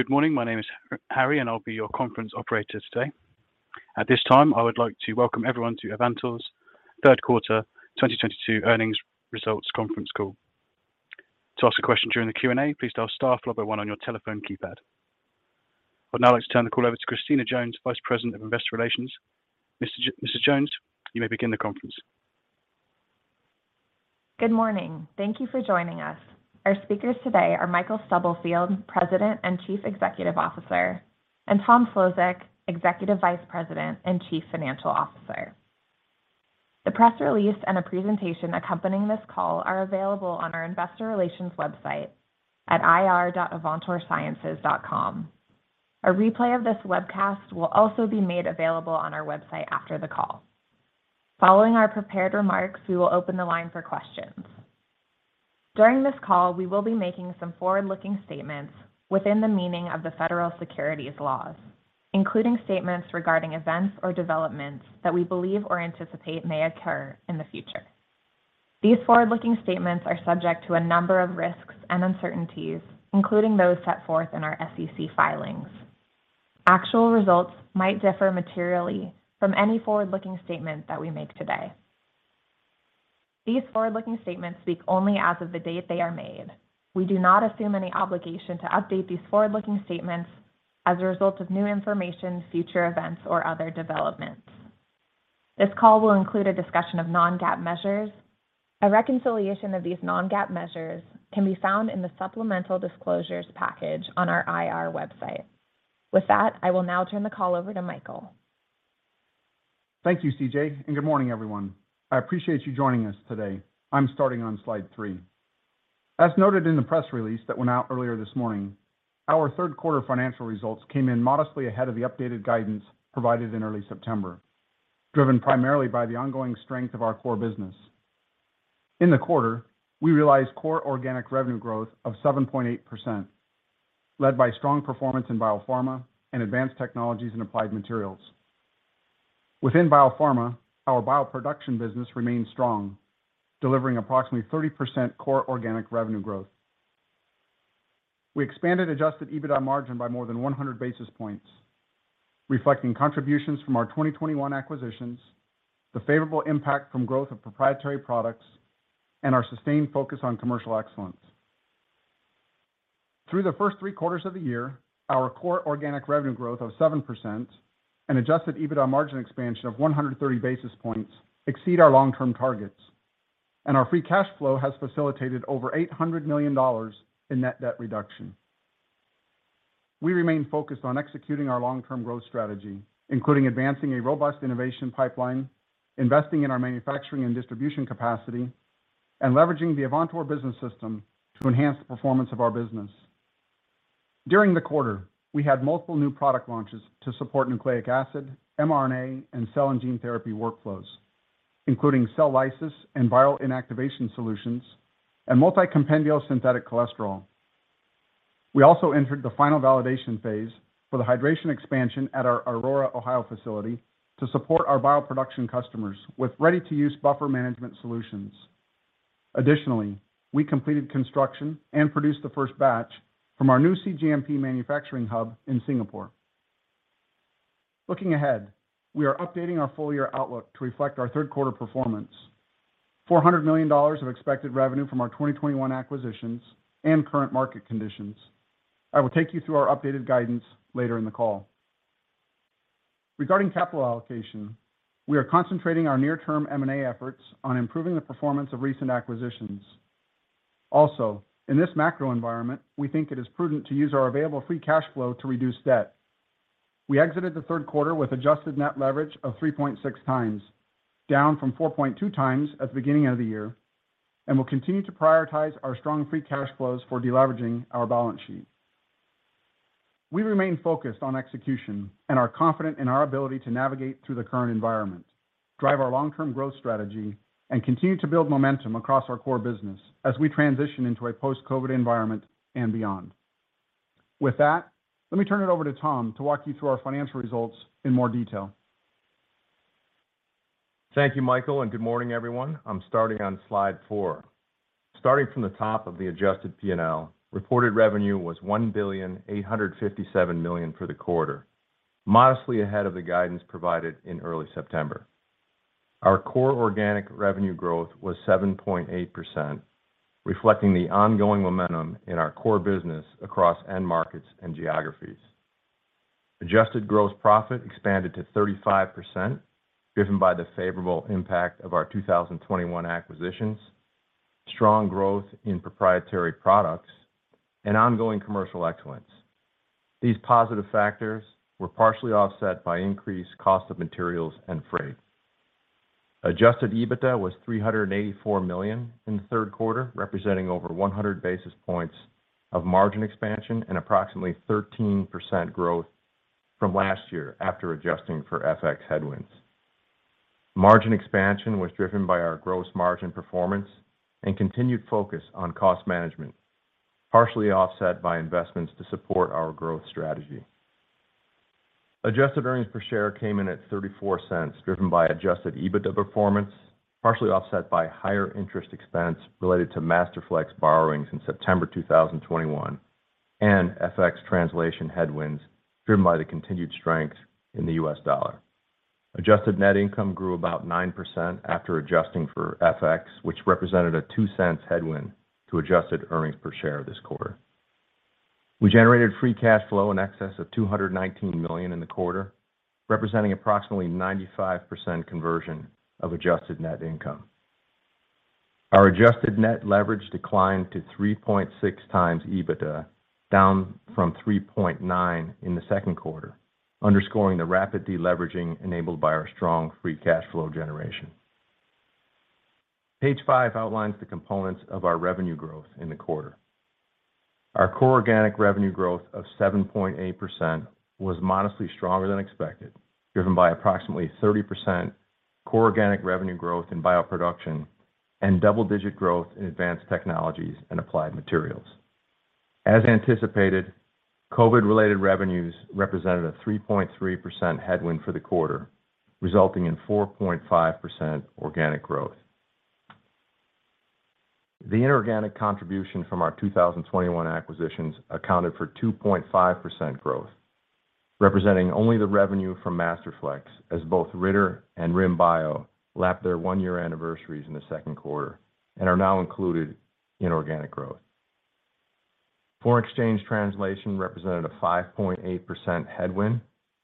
Good morning. My name is Harry, and I'll be your conference operator today. At this time, I would like to welcome everyone to Avantor's third quarter 2022 earnings results conference call. To ask a question during the Q&A, please dial star then one on your telephone keypad. I'd now like to turn the call over to Christina Jones, Vice President of Investor Relations. Miss Jones, you may begin the conference. Good morning. Thank you for joining us. Our speakers today are Michael Stubblefield, President and Chief Executive Officer, and Thomas Szlosek, Executive Vice President and Chief Financial Officer. The press release and a presentation accompanying this call are available on our investor relations website at ir.avantorsciences.com. A replay of this webcast will also be made available on our website after the call. Following our prepared remarks, we will open the line for questions. During this call, we will be making some forward-looking statements within the meaning of the Federal Securities Laws, including statements regarding events or developments that we believe or anticipate may occur in the future. These forward-looking statements are subject to a number of risks and uncertainties, including those set forth in our SEC filings. Actual results might differ materially from any forward-looking statement that we make today. These forward-looking statements speak only as of the date they are made. We do not assume any obligation to update these forward-looking statements as a result of new information, future events, or other developments. This call will include a discussion of non-GAAP measures. A reconciliation of these non-GAAP measures can be found in the supplemental disclosures package on our IR website. With that, I will now turn the call over to Michael. Thank you, CJ, and good morning, everyone. I appreciate you joining us today. I'm starting on slide 3. As noted in the press release that went out earlier this morning, our third quarter financial results came in modestly ahead of the updated guidance provided in early September, driven primarily by the ongoing strength of our core business. In the quarter, we realized core organic revenue growth of 7.8%, led by strong performance in biopharma and advanced technologies and applied materials. Within biopharma, our bioproduction business remained strong, delivering approximately 30% core organic revenue growth. We expanded adjusted EBITDA margin by more than 100 basis points, reflecting contributions from our 2021 acquisitions, the favorable impact from growth of proprietary products, and our sustained focus on commercial excellence. Through the first three quarters of the year, our core organic revenue growth of 7% and adjusted EBITDA margin expansion of 130 basis points exceed our long-term targets, and our free cash flow has facilitated over $800 million in net debt reduction. We remain focused on executing our long-term growth strategy, including advancing a robust innovation pipeline, investing in our manufacturing and distribution capacity, and leveraging the Avantor Business System to enhance the performance of our business. During the quarter, we had multiple new product launches to support nucleic acid, mRNA, and cell and gene therapy workflows, including cell lysis and viral inactivation solutions, and multi-compendial synthetic cholesterol. We also entered the final validation phase for the hydration expansion at our Aurora, Ohio facility to support our bioproduction customers with ready-to-use buffer management solutions. Additionally, we completed construction and produced the first batch from our new cGMP manufacturing hub in Singapore. Looking ahead, we are updating our full year outlook to reflect our third quarter performance, $400 million of expected revenue from our 2021 acquisitions and current market conditions. I will take you through our updated guidance later in the call. Regarding capital allocation, we are concentrating our near-term M&A efforts on improving the performance of recent acquisitions. Also, in this macro environment, we think it is prudent to use our available free cash flow to reduce debt. We exited the third quarter with adjusted net leverage of 3.6x, down from 4.2x at the beginning of the year, and will continue to prioritize our strong free cash flows for deleveraging our balance sheet. We remain focused on execution and are confident in our ability to navigate through the current environment, drive our long-term growth strategy, and continue to build momentum across our core business as we transition into a post-COVID environment and beyond. With that, let me turn it over to Tom to walk you through our financial results in more detail. Thank you, Michael, and good morning, everyone. I'm starting on slide 4. Starting from the top of the adjusted P&L, reported revenue was $1.857 billion for the quarter, modestly ahead of the guidance provided in early September. Our core organic revenue growth was 7.8%, reflecting the ongoing momentum in our core business across end markets and geographies. Adjusted gross profit expanded to 35%, driven by the favorable impact of our 2021 acquisitions, strong growth in proprietary products, and ongoing commercial excellence. These positive factors were partially offset by increased cost of materials and freight. Adjusted EBITDA was $384 million in the third quarter, representing over 100 basis points of margin expansion and approximately 13% growth from last year after adjusting for FX headwinds. Margin expansion was driven by our gross margin performance and continued focus on cost management, partially offset by investments to support our growth strategy. Adjusted earnings per share came in at $0.34, driven by adjusted EBITDA performance, partially offset by higher interest expense related to Masterflex borrowings in September 2021 and FX translation headwinds driven by the continued strength in the US dollar. Adjusted net income grew about 9% after adjusting for FX, which represented a $0.02 headwind to adjusted earnings per share this quarter. We generated free cash flow in excess of $219 million in the quarter, representing approximately 95% conversion of adjusted net income. Our adjusted net leverage declined to 3.6x EBITDA, down from 3.9 in the second quarter, underscoring the rapid deleveraging enabled by our strong free cash flow generation. Page 5 outlines the components of our revenue growth in the quarter. Our core organic revenue growth of 7.8% was modestly stronger than expected, driven by approximately 30% core organic revenue growth in bioproduction and double-digit growth in advanced technologies and applied materials. As anticipated, COVID-related revenues represented a 3.3% headwind for the quarter, resulting in 4.5% organic growth. The inorganic contribution from our 2021 acquisitions accounted for 2.5% growth, representing only the revenue from Masterflex as both Ritter and RIM Bio lapped their one-year anniversaries in the second quarter and are now included in organic growth. Foreign exchange translation represented a 5.8% headwind,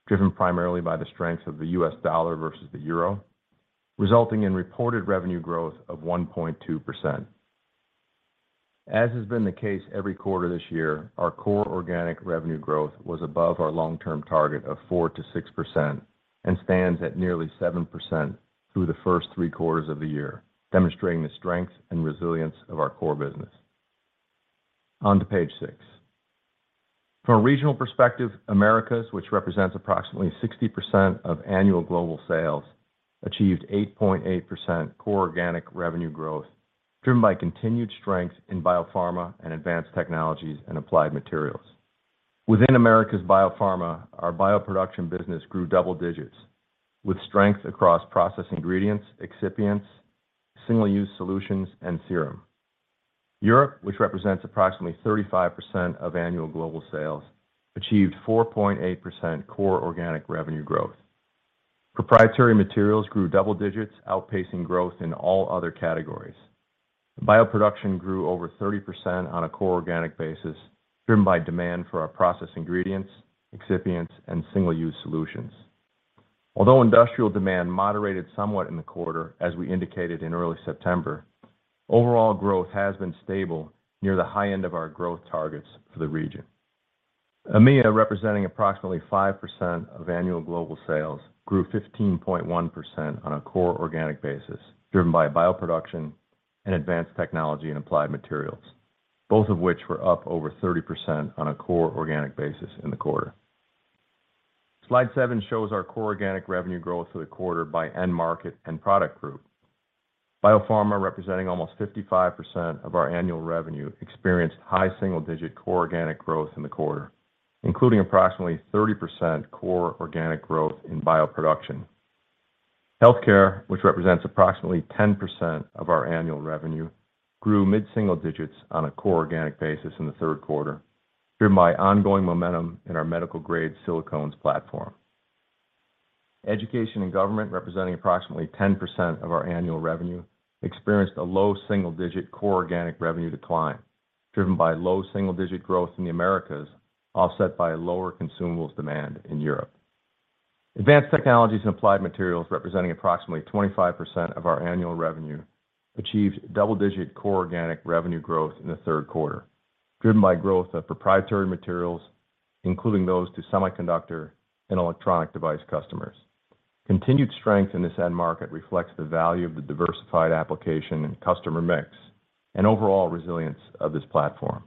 driven primarily by the strength of the U.S. dollar versus the euro, resulting in reported revenue growth of 1.2%. As has been the case every quarter this year, our core organic revenue growth was above our long-term target of 4%-6% and stands at nearly 7% through the first three quarters of the year, demonstrating the strength and resilience of our core business. On to page 6. From a regional perspective, Americas, which represents approximately 60% of annual global sales, achieved 8.8% core organic revenue growth, driven by continued strength in biopharma and advanced technologies and applied materials. Within Americas biopharma, our bioproduction business grew double digits with strength across process ingredients, excipients, single-use solutions and serum. Europe, which represents approximately 35% of annual global sales, achieved 4.8% core organic revenue growth. Proprietary materials grew double digits, outpacing growth in all other categories. Bioproduction grew over 30% on a core organic basis, driven by demand for our process ingredients, excipients and single-use solutions. Although industrial demand moderated somewhat in the quarter, as we indicated in early September, overall growth has been stable near the high end of our growth targets for the region. EMEA, representing approximately 5% of annual global sales, grew 15.1% on a core organic basis, driven by bioproduction and advanced technology and applied materials, both of which were up over 30% on a core organic basis in the quarter. Slide 7 shows our core organic revenue growth for the quarter by end market and product group. Biopharma, representing almost 55% of our annual revenue, experienced high single-digit core organic growth in the quarter, including approximately 30% core organic growth in bioproduction. Healthcare, which represents approximately 10% of our annual revenue, grew mid-single digits on a core organic basis in the third quarter, driven by ongoing momentum in our medical-grade silicones platform. Education and government, representing approximately 10% of our annual revenue, experienced a low single-digit core organic revenue decline, driven by low single-digit growth in the Americas, offset by lower consumables demand in Europe. Advanced technologies and applied materials, representing approximately 25% of our annual revenue, achieved double-digit core organic revenue growth in the third quarter, driven by growth of proprietary materials, including those to semiconductor and electronic device customers. Continued strength in this end market reflects the value of the diversified application and customer mix and overall resilience of this platform.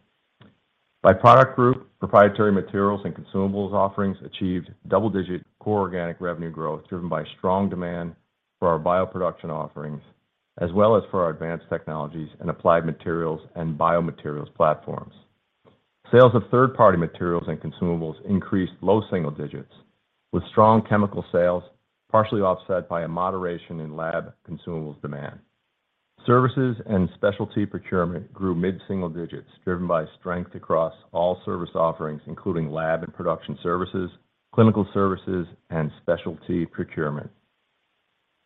By product group, proprietary materials and consumables offerings achieved double-digit core organic revenue growth, driven by strong demand for our bioproduction offerings as well as for our advanced technologies and applied materials and biomaterials platforms. Sales of third-party materials and consumables increased low single digits, with strong chemical sales partially offset by a moderation in lab consumables demand. Services and specialty procurement grew mid-single digits, driven by strength across all service offerings, including lab and production services, clinical services, and specialty procurement.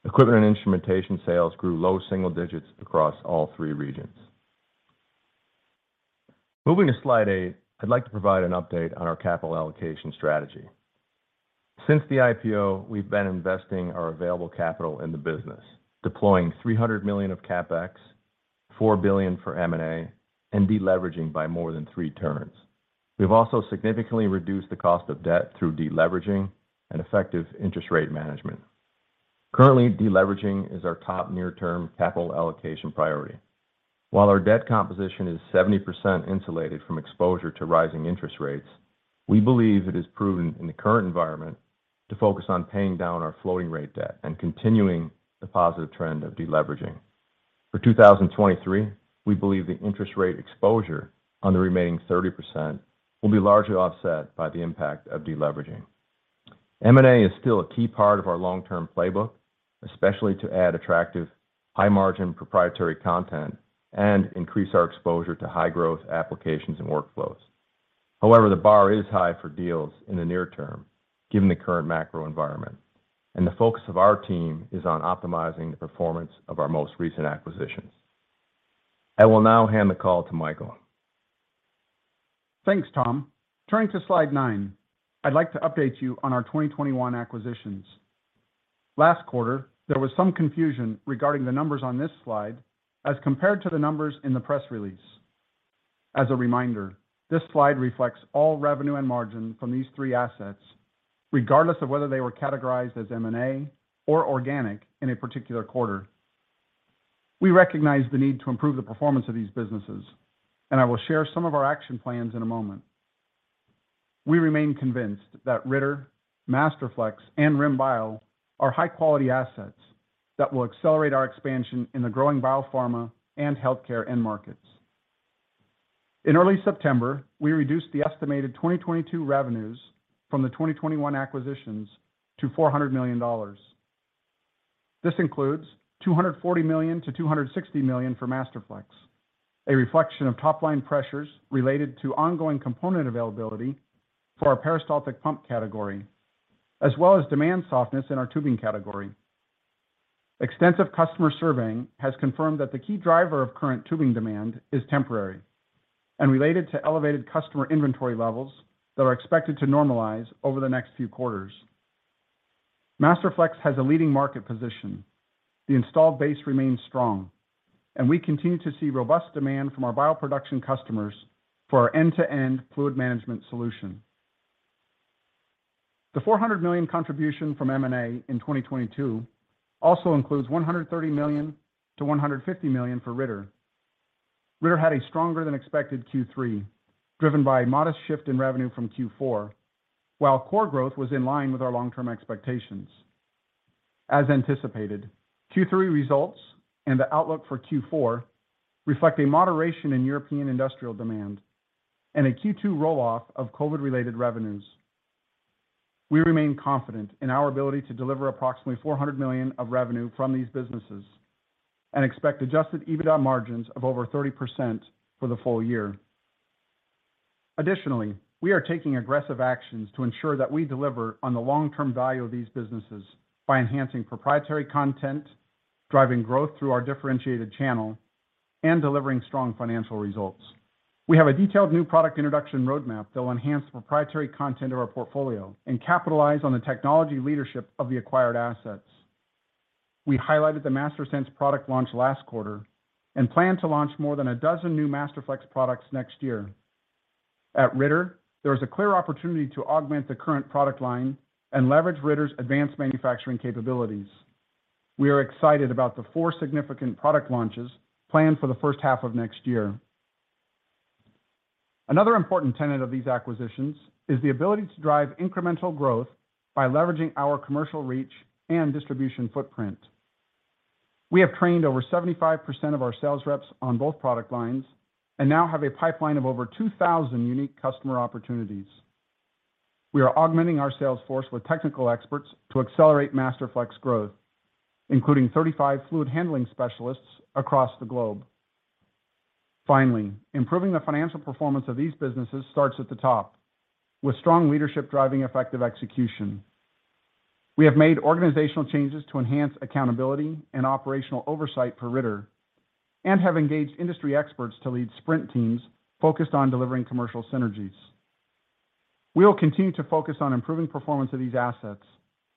Equipment and instrumentation sales grew low single digits across all three regions. Moving to slide 8, I'd like to provide an update on our capital allocation strategy. Since the IPO, we've been investing our available capital in the business, deploying $300 million of CapEx, $4 billion for M&A, and deleveraging by more than three turns. We've also significantly reduced the cost of debt through deleveraging and effective interest rate management. Currently, deleveraging is our top near-term capital allocation priority. While our debt composition is 70% insulated from exposure to rising interest rates, we believe it is prudent in the current environment to focus on paying down our floating rate debt and continuing the positive trend of deleveraging. For 2023, we believe the interest rate exposure on the remaining 30% will be largely offset by the impact of deleveraging. M&A is still a key part of our long-term playbook, especially to add attractive high-margin proprietary content and increase our exposure to high-growth applications and workflows. However, the bar is high for deals in the near term given the current macro environment, and the focus of our team is on optimizing the performance of our most recent acquisitions. I will now hand the call to Michael. Thanks, Tom. Turning to slide 9, I'd like to update you on our 2021 acquisitions. Last quarter, there was some confusion regarding the numbers on this slide as compared to the numbers in the press release. As a reminder, this slide reflects all revenue and margin from these three assets, regardless of whether they were categorized as M&A or organic in a particular quarter. We recognize the need to improve the performance of these businesses, and I will share some of our action plans in a moment. We remain convinced that Ritter, Masterflex, and RIM Bio are high-quality assets that will accelerate our expansion in the growing biopharma and healthcare end markets. In early September, we reduced the estimated 2022 revenues from the 2021 acquisitions to $400 million. This includes $240 million-$260 million for Masterflex, a reflection of top-line pressures related to ongoing component availability for our Peristaltic Pump category, as well as demand softness in our tubing category. Extensive customer surveying has confirmed that the key driver of current tubing demand is temporary and related to elevated customer inventory levels that are expected to normalize over the next few quarters. Masterflex has a leading market position. The installed base remains strong, and we continue to see robust demand from our bioproduction customers for our end-to-end fluid management solution. The $400 million contribution from M&A in 2022 also includes $130 million-$150 million for Ritter. Ritter had a stronger than expected Q3, driven by a modest shift in revenue from Q4, while core growth was in line with our long-term expectations. As anticipated, Q3 results and the outlook for Q4 reflect a moderation in European industrial demand and a Q2 roll-off of COVID-related revenues. We remain confident in our ability to deliver approximately $400 million of revenue from these businesses and expect adjusted EBITDA margins of over 30% for the full year. Additionally, we are taking aggressive actions to ensure that we deliver on the long-term value of these businesses by enhancing proprietary content, driving growth through our differentiated channel, and delivering strong financial results. We have a detailed new product introduction roadmap that will enhance the proprietary content of our portfolio and capitalize on the technology leadership of the acquired assets. We highlighted the MasterSense product launch last quarter and plan to launch more than a dozen new Masterflex products next year. At Ritter, there is a clear opportunity to augment the current product line and leverage Ritter's advanced manufacturing capabilities. We are excited about the four significant product launches planned for the first half of next year. Another important tenet of these acquisitions is the ability to drive incremental growth by leveraging our commercial reach and distribution footprint. We have trained over 75% of our sales reps on both product lines and now have a pipeline of over 2,000 unique customer opportunities. We are augmenting our sales force with technical experts to accelerate Masterflex growth, including 35 fluid handling specialists across the globe. Finally, improving the financial performance of these businesses starts at the top with strong leadership driving effective execution. We have made organizational changes to enhance accountability and operational oversight for Ritter and have engaged industry experts to lead sprint teams focused on delivering commercial synergies. We will continue to focus on improving performance of these assets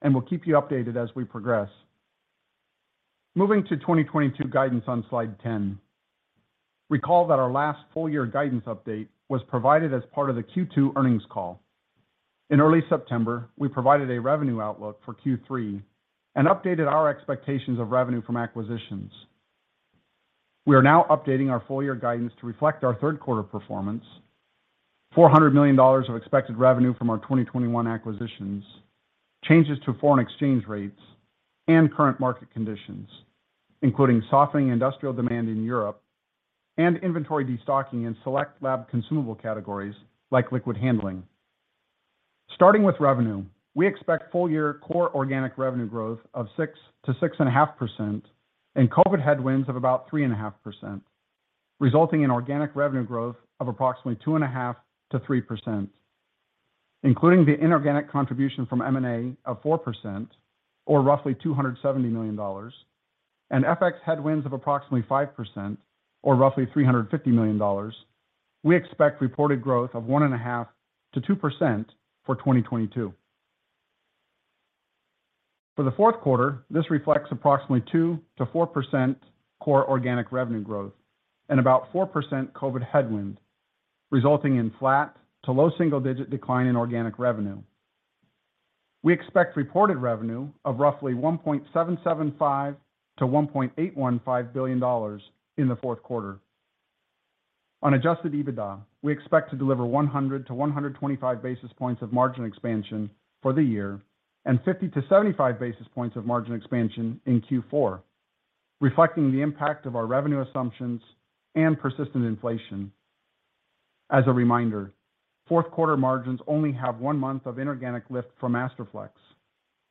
and will keep you updated as we progress. Moving to 2022 guidance on slide 10. Recall that our last full year guidance update was provided as part of the Q2 earnings call. In early September, we provided a revenue outlook for Q3 and updated our expectations of revenue from acquisitions. We are now updating our full year guidance to reflect our third quarter performance, $400 million of expected revenue from our 2021 acquisitions, changes to foreign exchange rates, and current market conditions, including softening industrial demand in Europe and inventory destocking in select lab consumable categories like liquid handling. Starting with revenue, we expect full year core organic revenue growth of 6%-6.5% and COVID headwinds of about 3.5%, resulting in organic revenue growth of approximately 2.5%-3%. Including the inorganic contribution from M&A of 4%, or roughly $270 million, and FX headwinds of approximately 5%, or roughly $350 million, we expect reported growth of 1.5%-2% for 2022. For the fourth quarter, this reflects approximately 2%-4% core organic revenue growth and about 4% COVID headwind, resulting in flat to low single-digit decline in organic revenue. We expect reported revenue of roughly $1.775-$1.815 billion in the fourth quarter. On adjusted EBITDA, we expect to deliver 100-125 basis points of margin expansion for the year and 50-75 basis points of margin expansion in Q4, reflecting the impact of our revenue assumptions and persistent inflation. As a reminder, fourth quarter margins only have one month of inorganic lift from Masterflex,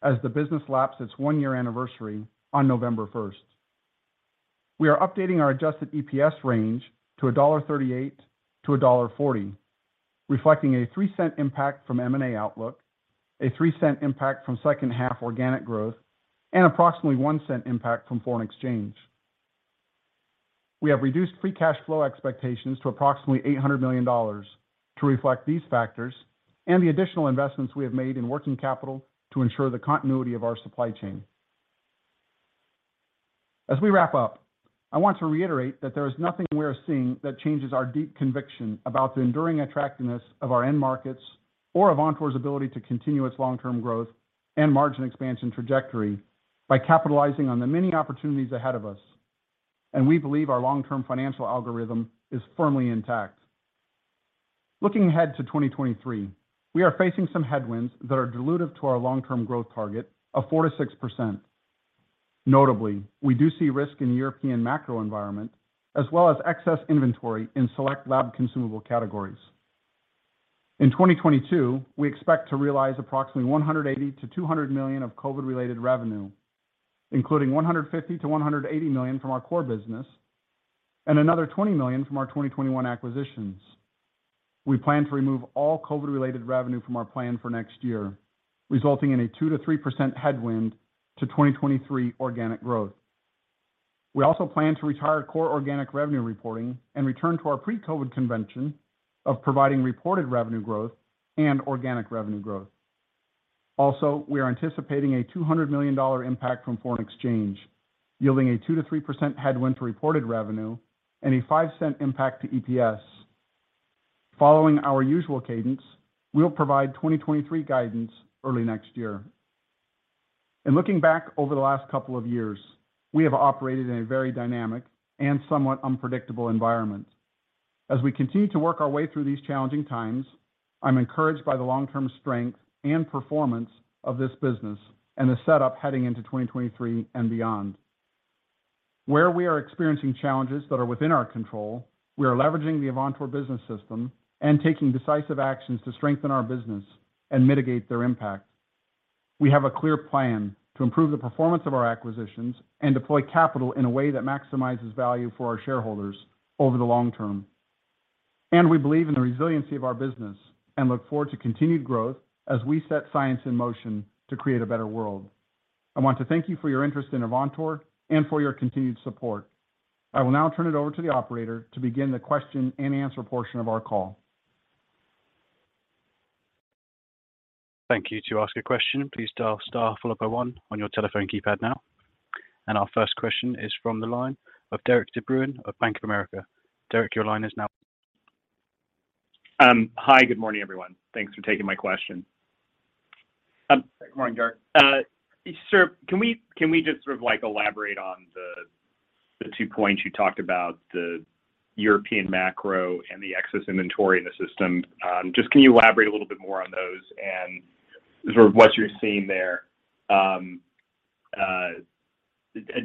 as the business passed its one-year anniversary on November 1st. We are updating our adjusted EPS range to $1.38-$1.40, reflecting a $0.03 impact from M&A outlook, a $0.03 Impact from second half organic growth, and approximately $0.01 impact from foreign exchange. We have reduced free cash flow expectations to approximately $800 million to reflect these factors and the additional investments we have made in working capital to ensure the continuity of our supply chain. As we wrap up, I want to reiterate that there is nothing we are seeing that changes our deep conviction about the enduring attractiveness of our end markets or Avantor's ability to continue its long-term growth and margin expansion trajectory by capitalizing on the many opportunities ahead of us. We believe our long-term financial algorithm is firmly intact. Looking ahead to 2023, we are facing some headwinds that are dilutive to our long-term growth target of 4%-6%. Notably, we do see risk in the European macro environment as well as excess inventory in select lab consumable categories. In 2022, we expect to realize approximately $180 million-$200 million of COVID-related revenue, including $150 million-$180 million from our core business and another $20 million from our 2021 acquisitions. We plan to remove all COVID-related revenue from our plan for next year, resulting in a 2%-3% headwind to 2023 organic growth. We also plan to retire core organic revenue reporting and return to our pre-COVID convention of providing reported revenue growth and organic revenue growth. Also, we are anticipating a $200 million impact from foreign exchange, yielding a 2%-3% headwind to reported revenue and a $0.05 impact to EPS. Following our usual cadence, we'll provide 2023 guidance early next year. Looking back over the last couple of years, we have operated in a very dynamic and somewhat unpredictable environment. As we continue to work our way through these challenging times, I'm encouraged by the long-term strength and performance of this business and the setup heading into 2023 and beyond. Where we are experiencing challenges that are within our control, we are leveraging the Avantor Business System and taking decisive actions to strengthen our business and mitigate their impact. We have a clear plan to improve the performance of our acquisitions and deploy capital in a way that maximizes value for our shareholders over the long term. We believe in the resiliency of our business and look forward to continued growth as we set science in motion to create a better world. I want to thank you for your interest in Avantor and for your continued support. I will now turn it over to the operator to begin the question and answer portion of our call. Thank you. To ask a question, please dial star followed by one on your telephone keypad now. Our first question is from the line of Derik De Bruin of Bank of America. Derik, your line is now- Hi, good morning, everyone. Thanks for taking my question. Good morning, Derik. Sir, can we just sort of like elaborate on the two points you talked about, the European macro and the excess inventory in the system? Just can you elaborate a little bit more on those and sort of what you're seeing there?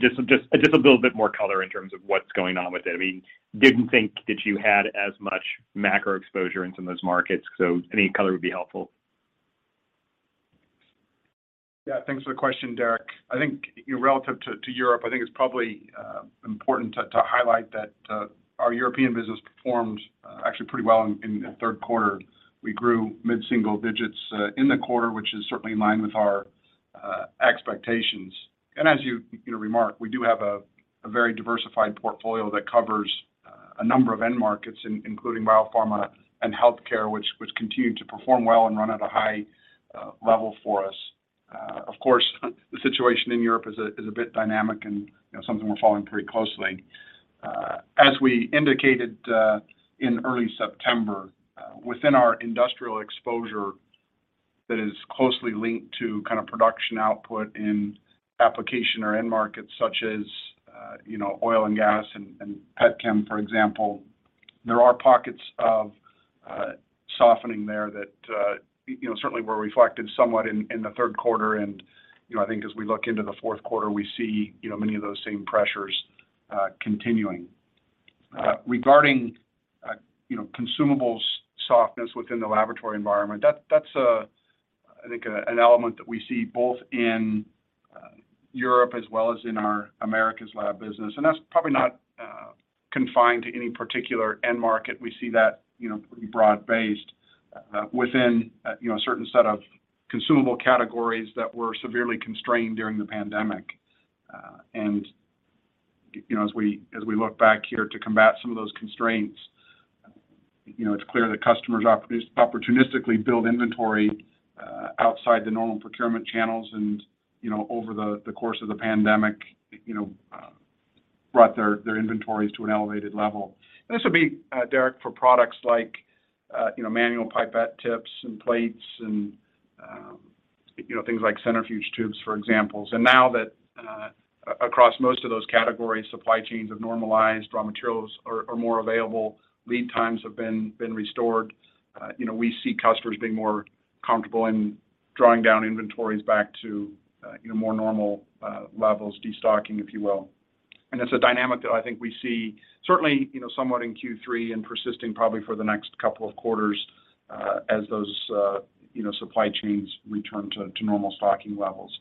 Just a little bit more color in terms of what's going on with it. I mean, didn't think that you had as much macro exposure into those markets, so any color would be helpful. Yeah. Thanks for the question, Derik. I think, you know, relative to Europe, I think it's probably important to highlight that our European business performed actually pretty well in the third quarter. We grew mid-single digits in the quarter, which is certainly in line with our expectations. As you know, remark, we do have a very diversified portfolio that covers a number of end markets, including biopharma and healthcare, which continue to perform well and run at a high level for us. Of course, the situation in Europe is a bit dynamic and you know, something we're following pretty closely. As we indicated in early September, within our industrial exposure that is closely linked to kind of production output in application or end markets such as, you know, oil and gas and pet chem, for example, there are pockets of softening there that you know, certainly were reflected somewhat in the third quarter. I think as we look into the fourth quarter, we see you know, many of those same pressures continuing. Regarding you know, consumables softness within the laboratory environment, that's a, I think, an element that we see both in Europe as well as in our Americas lab business, and that's probably not confined to any particular end market. We see that, you know, pretty broad-based within, you know, a certain set of consumable categories that were severely constrained during the pandemic. You know, as we look back here to combat some of those constraints, you know, it's clear that customers opportunistically built inventory outside the normal procurement channels and, you know, over the course of the pandemic, you know, brought their inventories to an elevated level. This would be, Derik, for products like, you know, manual pipette tips and plates and You know, things like Centrifuge Tubes, for example. Now that across most of those categories, supply chains have normalized, raw materials are more available, lead times have been restored, you know, we see customers being more comfortable in drawing down inventories back to, you know, more normal levels, destocking, if you will. It's a dynamic that I think we see certainly, you know, somewhat in Q3 and persisting probably for the next couple of quarters, as those supply chains return to normal stocking levels.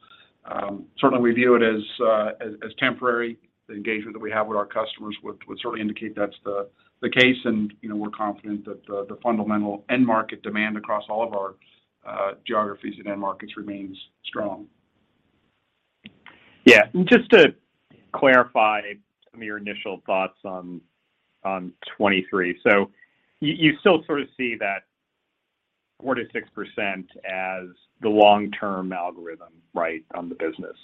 Certainly we view it as temporary. The engagement that we have with our customers would certainly indicate that's the case. You know, we're confident that the fundamental end market demand across all of our geographies and end markets remains strong. Yeah. Just to clarify some of your initial thoughts on 2023. You still sort of see that 4%-6% as the long-term algorithm, right, on the business.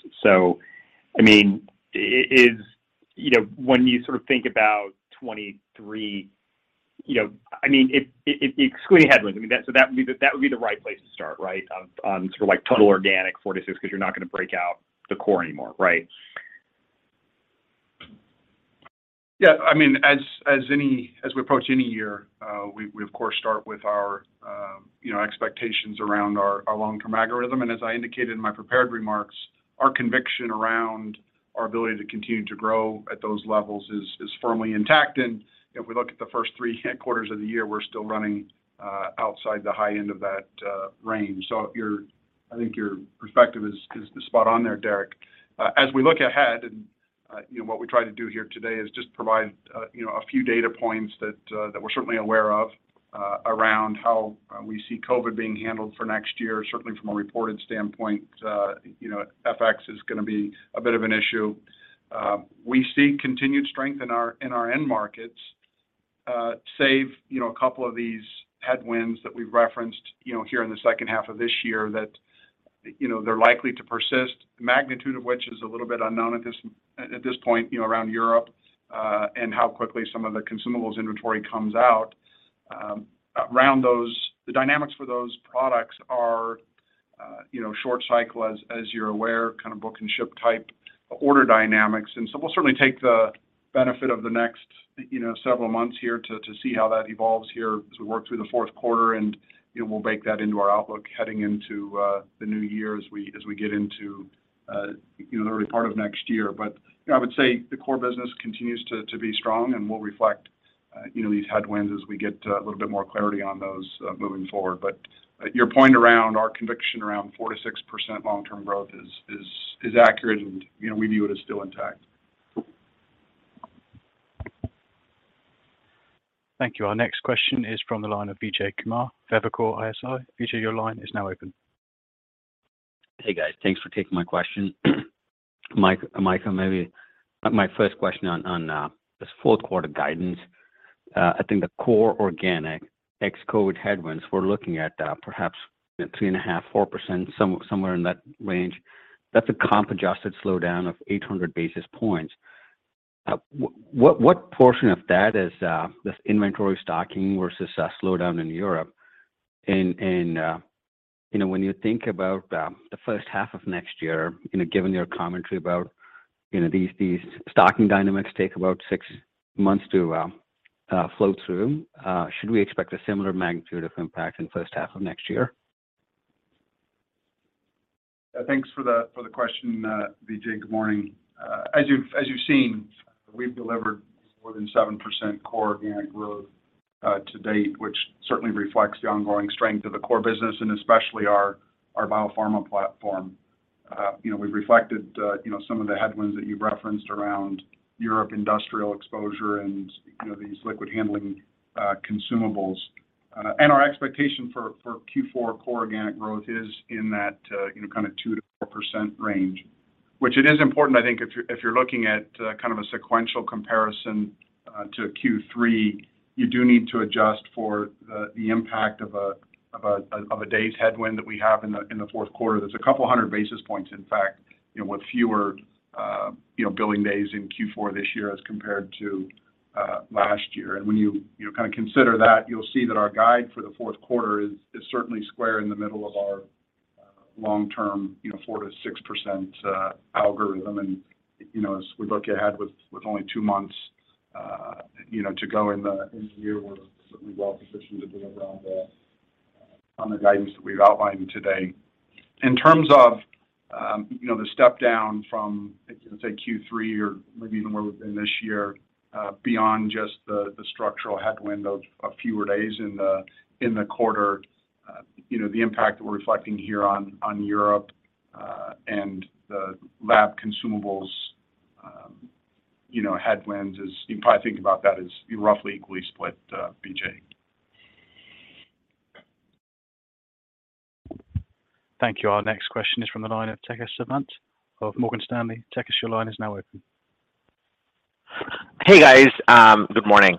I mean, is, you know, when you sort of think about 2023, you know, I mean, if excluding headwinds, I mean, that would be the right place to start, right? Sort of like total organic 4%-6% because you're not gonna break out the core anymore, right? Yeah. I mean, as we approach any year, we of course start with our, you know, expectations around our long-term algorithm. I indicated in my prepared remarks, our conviction around our ability to continue to grow at those levels is firmly intact. If we look at the first three quarters of the year, we're still running outside the high end of that range. I think your perspective is spot on there, Derik. As we look ahead, you know, what we try to do here today is just provide, you know, a few data points that we're certainly aware of around how we see COVID being handled for next year. Certainly from a reported standpoint, you know, FX is gonna be a bit of an issue. We see continued strength in our end markets, save, you know, a couple of these headwinds that we've referenced, you know, here in the second half of this year that, you know, they're likely to persist. The magnitude of which is a little bit unknown at this point, you know, around Europe, and how quickly some of the consumables inventory comes out. Around those, the dynamics for those products are, you know, short cycle as you're aware, kind of book and ship type order dynamics. We'll certainly take the benefit of the next, you know, several months here to see how that evolves here as we work through the fourth quarter. You know, we'll bake that into our outlook heading into the New Year as we get into you know, the early part of next year. You know, I would say the core business continues to be strong and will reflect you know, these headwinds as we get a little bit more clarity on those moving forward. Your point around our conviction around 4%-6% long-term growth is accurate and, you know, we view it as still intact. Thank you. Our next question is from the line of Vijay Kumar, Evercore ISI. Vijay, your line is now open. Hey, guys. Thanks for taking my question. Michael, maybe my first question on this fourth quarter guidance. I think the core organic ex-COVID headwinds, we're looking at, perhaps 3.5%-4%, somewhere in that range. That's a comp adjusted slowdown of 800 basis points. What portion of that is this inventory stocking versus a slowdown in Europe? You know, when you think about the first half of next year, you know, given your commentary about, you know, these stocking dynamics take about six months to flow through, should we expect a similar magnitude of impact in first half of next year? Thanks for the question, Vijay. Good morning. As you've seen, we've delivered more than 7% core organic growth to date, which certainly reflects the ongoing strength of the core business and especially our biopharma platform. You know, we've reflected you know some of the headwinds that you've referenced around European industrial exposure and, you know, these liquid handling consumables. Our expectation for Q4 core organic growth is in that you know kind of 2%-4% range. It is important, I think if you're looking at kind of a sequential comparison to Q3, you do need to adjust for the impact of a day's headwind that we have in the fourth quarter. There's a couple 100 basis points, in fact, you know, with fewer, you know, billing days in Q4 this year as compared to last year. When you know, kind of consider that, you'll see that our guide for the fourth quarter is certainly square in the middle of our long-term, you know, 4%-6% algorithm. You know, as we look ahead with only two months to go in the year, we're certainly well positioned to deliver on the guidance that we've outlined today. In terms of, you know, the step down from, let's say Q3 or maybe even where we've been this year, beyond just the structural headwind of a fewer days in the quarter, you know, the impact that we're reflecting here on Europe and the lab consumables headwinds is you can probably think about that as roughly equally split, Vijay. Thank you. Our next question is from the line of Tejas Savant of Morgan Stanley. Tejas, your line is now open. Hey guys, good morning.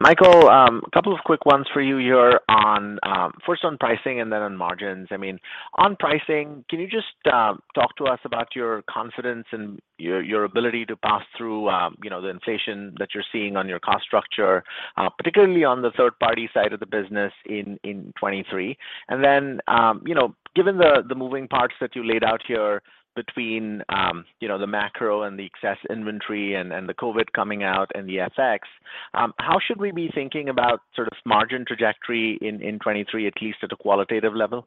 Michael, a couple of quick ones for you here on first on pricing and then on margins. I mean, on pricing, can you just talk to us about your confidence in your ability to pass through, you know, the inflation that you're seeing on your cost structure, particularly on the third-party side of the business in 2023? Then, you know, given the moving parts that you laid out here between, you know, the macro and the excess inventory and the COVID coming out and the FX, how should we be thinking about sort of margin trajectory in 2023, at least at the qualitative level?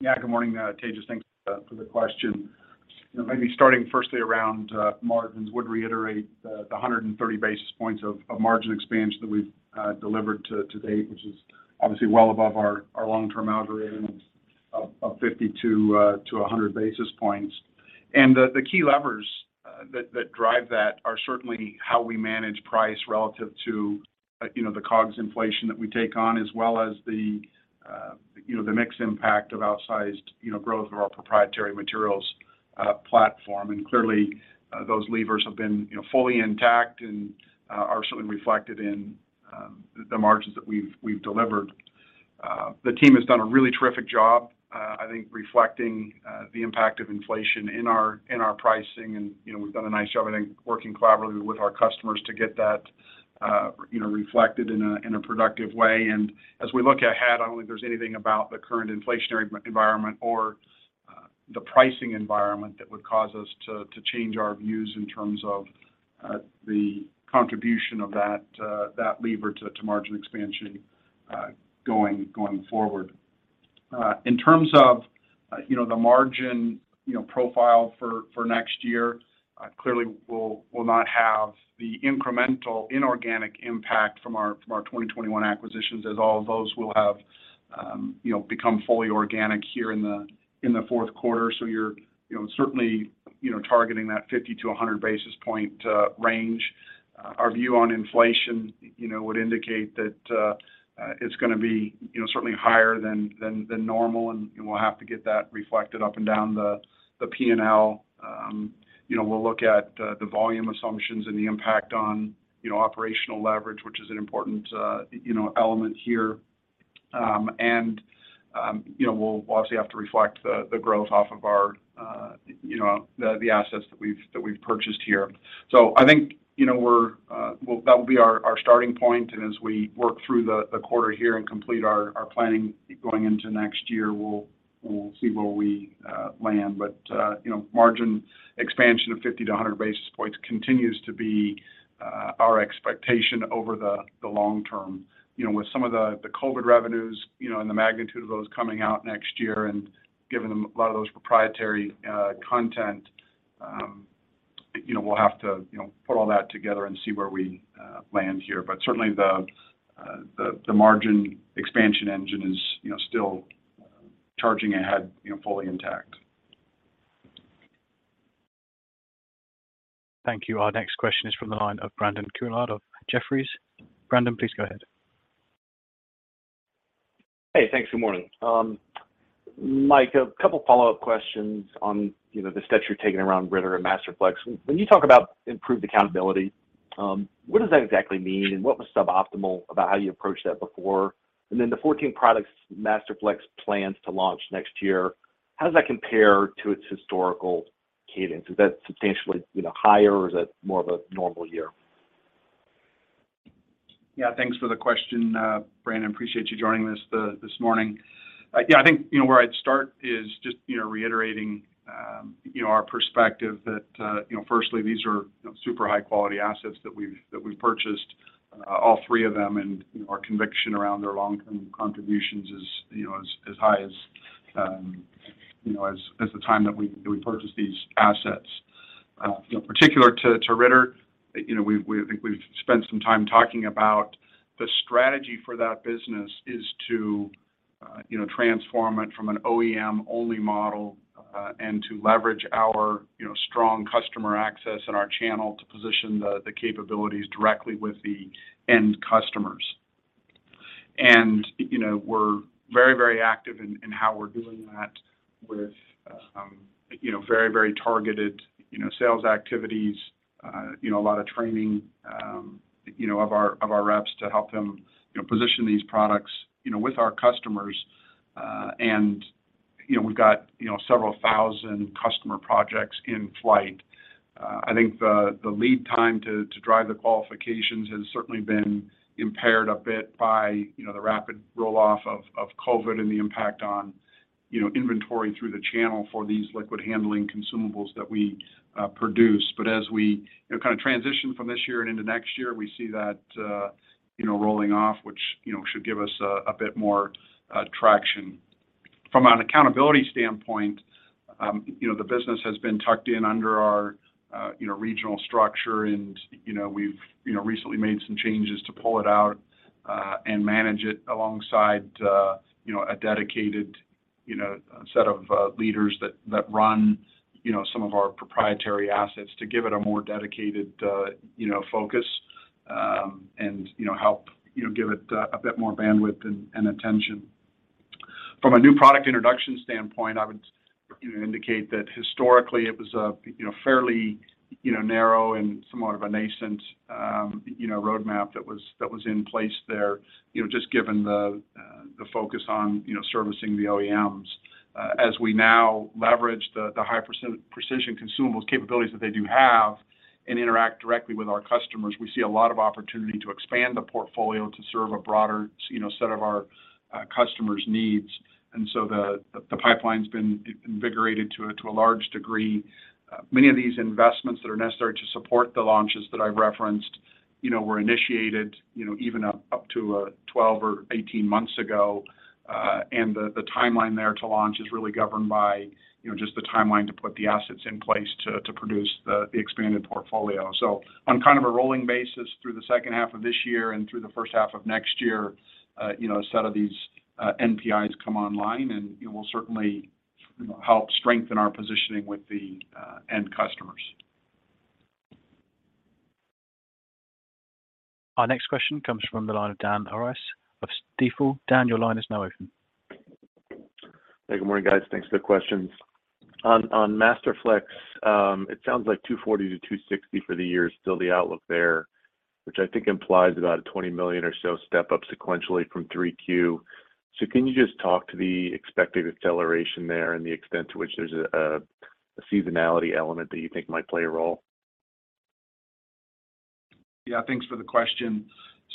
Yeah, good morning, Tejas. Thanks for the question. You know, maybe starting firstly around margins, would reiterate the 130 basis points of margin expansion that we've delivered to date, which is obviously well above our long-term average of 50-100 basis points. The key levers that drive that are certainly how we manage price relative to, you know, the COGS inflation that we take on, as well as, you know, the mix impact of outsized, you know, growth of our proprietary materials platform. Clearly, those levers have been, you know, fully intact and are certainly reflected in the margins that we've delivered. The team has done a really terrific job, I think reflecting the impact of inflation in our pricing. You know, we've done a nice job, I think, working collaboratively with our customers to get that, you know, reflected in a productive way. As we look ahead, I don't think there's anything about the current inflationary environment or the pricing environment that would cause us to change our views in terms of the contribution of that lever to margin expansion going forward. In terms of, you know, the margin, you know, profile for next year, clearly we'll not have the incremental inorganic impact from our 2021 acquisitions, as all of those will have, you know, become fully organic here in the fourth quarter. You're certainly targeting that 50-100 basis points range. Our view on inflation, you know, would indicate that it's gonna be certainly higher than normal, and, you know, we'll have to get that reflected up and down the P&L. You know, we'll look at the volume assumptions and the impact on, you know, operational leverage, which is an important, you know, element here. You know, we'll obviously have to reflect the growth off of our, you know, the assets that we've purchased here. I think, you know, that will be our starting point. As we work through the quarter here and complete our planning going into next year, we'll see where we land. You know, margin expansion of 50-100 basis points continues to be our expectation over the long term. You know, with some of the COVID revenues, you know, and the magnitude of those coming out next year and giving them a lot of those proprietary content, you know, we'll have to, you know, put all that together and see where we land here. Certainly the margin expansion engine is, you know, still charging ahead, you know, fully intact. Thank you. Our next question is from the line of Brandon Couillard of Jefferies. Brandon, please go ahead. Hey, thanks. Good morning. Mike, a couple follow-up questions on, you know, the steps you're taking around Ritter and Masterflex. When you talk about improved accountability, what does that exactly mean, and what was suboptimal about how you approached that before? Then the 14 products Masterflex plans to launch next year, how does that compare to its historical cadence? Is that substantially, you know, higher, or is it more of a normal year? Yeah. Thanks for the question, Brandon. Appreciate you joining this this morning. Yeah, I think, you know, where I'd start is just, you know, reiterating, you know, our perspective that, you know, firstly, these are, you know, super high quality assets that we've purchased, all three of them. You know, our conviction around their long-term contributions is, you know, as high as, you know, as the time that we purchased these assets. You know, particular to Ritter, you know, I think we've spent some time talking about the strategy for that business is to, you know, transform it from an OEM-only model, and to leverage our, you know, strong customer access and our channel to position the capabilities directly with the end customers. You know, we're very active in how we're doing that with you know, very targeted you know, sales activities, you know, a lot of training, you know, of our reps to help them you know, position these products you know, with our customers. You know, we've got you know, several thousand customer projects in flight. I think the lead time to drive the qualifications has certainly been impaired a bit by you know, the rapid roll-off of COVID and the impact on you know, inventory through the channel for these liquid handling consumables that we produce. As we you know, kind of transition from this year and into next year, we see that you know, rolling off, which you know, should give us a bit more traction. From an accountability standpoint, you know, the business has been tucked in under our, you know, regional structure, and, you know, we've, you know, recently made some changes to pull it out, and manage it alongside, you know, a dedicated, you know, a set of, leaders that run, you know, some of our proprietary assets to give it a more dedicated, you know, focus, and, you know, help, you know, give it, a bit more bandwidth and attention. From a new product introduction standpoint, I would, you know, indicate that historically it was a, you know, fairly, you know, narrow and somewhat of a nascent, you know, roadmap that was in place there, you know, just given the focus on, you know, servicing the OEMs. As we now leverage the high precision consumables capabilities that they do have and interact directly with our customers, we see a lot of opportunity to expand the portfolio to serve a broader, you know, set of our customers' needs. The pipeline's been invigorated to a large degree. Many of these investments that are necessary to support the launches that I referenced, you know, were initiated, you know, even up to 12 or 18 months ago. The timeline there to launch is really governed by, you know, just the timeline to put the assets in place to produce the expanded portfolio. On kind of a rolling basis through the second half of this year and through the first half of next year, you know, a set of these NPIs come online and will certainly help strengthen our positioning with the end customers. Our next question comes from the line of Dan Arias of Stifel. Dan, your line is now open. Hey, good morning, guys. Thanks for the questions. On Masterflex, it sounds like $240-$260 for the year is still the outlook there, which I think implies about a $20 million or so step up sequentially from 3Q. Can you just talk to the expected acceleration there and the extent to which there's a seasonality element that you think might play a role? Yeah, thanks for the question.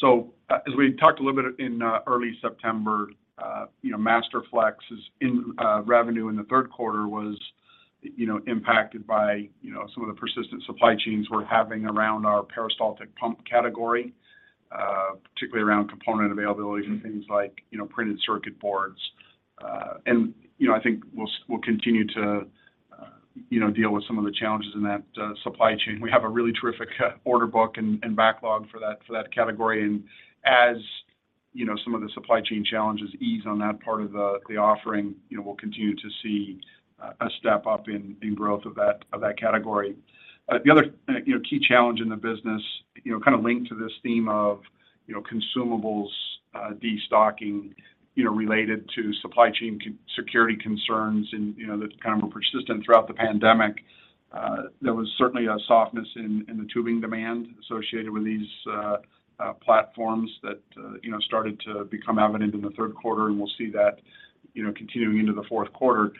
As we talked a little bit in early September, you know, Masterflex revenue in the third quarter was, you know, impacted by, you know, some of the persistent supply chain challenges we're having around our Peristaltic Pump category, particularly around component availability and things like, you know, printed circuit boards. You know, I think we'll continue to, you know, deal with some of the challenges in that supply chain. We have a really terrific order book and backlog for that category. As you know, some of the supply chain challenges ease on that part of the offering, you know, we'll continue to see a step up in growth of that category. The other key challenge in the business, you know, kind of linked to this theme of, you know, consumables destocking, you know, related to supply chain security concerns and, you know, that kind of were persistent throughout the pandemic. There was certainly a softness in the tubing demand associated with these platforms that, you know, started to become evident in the third quarter, and we'll see that, you know, continuing into the fourth quarter.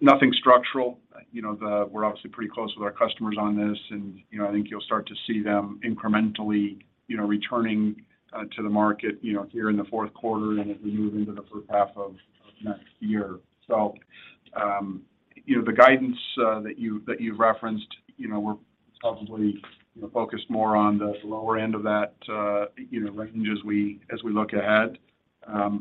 Nothing structural. You know, we're obviously pretty close with our customers on this and, you know, I think you'll start to see them incrementally, you know, returning to the market, you know, here in the fourth quarter and as we move into the first half of next year. You know, the guidance that you referenced, you know, we're probably, you know, focused more on the lower end of that, you know, range as we look ahead,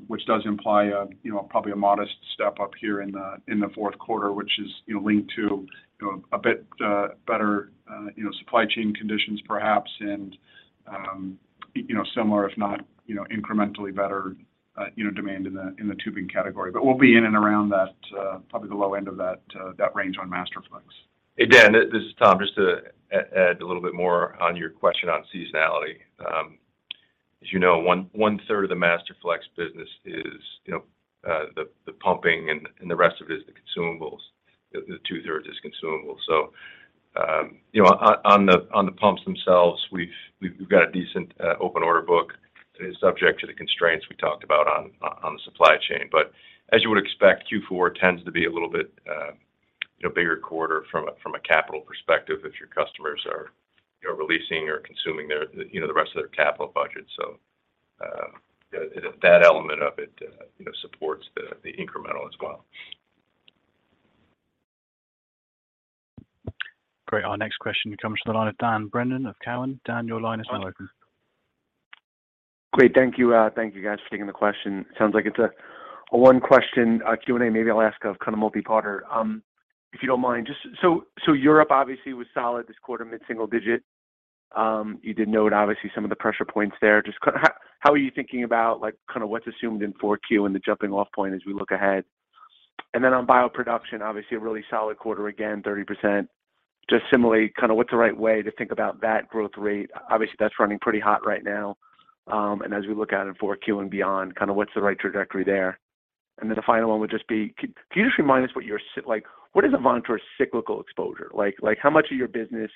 which does imply a probably a modest step up here in the fourth quarter. Which is, you know, linked to, you know, a bit better, you know, supply chain conditions perhaps and, you know, similar, if not, you know, incrementally better, you know, demand in the tubing category. We'll be in and around that, probably the low end of that range on Masterflex. Hey, Dan, this is Tom. Just to add a little bit more on your question on seasonality. As you know, one-third of the Masterflex business is, you know, the pumping and the rest of it is the consumables. 2/3s is consumables. You know, on the pumps themselves, we've got a decent open order book subject to the constraints we talked about on the supply chain. But as you would expect, Q4 tends to be a little bit, you know, bigger quarter from a capital perspective if your customers are, you know, releasing or consuming the rest of their capital budget. That element of it, you know, supports the incremental as well. Great. Our next question comes from the line of Dan Brennan of Cowen. Dan, your line is now open. Great. Thank you. Thank you guys for taking the question. Sounds like it's a one-question Q&A. Maybe I'll ask a kind of multi-parter, if you don't mind. Just so Europe obviously was solid this quarter, mid-single-digit. You did note obviously some of the pressure points there. Just kind of how are you thinking about like kind of what's assumed in 4Q and the jumping off point as we look ahead? And then on bioproduction, obviously a really solid quarter, again, 30%. Just similarly, kind of what's the right way to think about that growth rate? Obviously, that's running pretty hot right now. And as we look out in 4Q and beyond, kind of what's the right trajectory there? The final one would just be, can you just remind us what is an Avantor cyclical exposure? Like, how much of your business